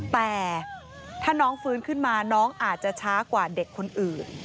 แต่ถ้าน้องฟื้นขึ้นมาน้องอาจจะช้ากว่าเด็กคนอื่น